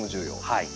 はい。